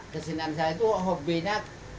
kesinan saya itu hobinya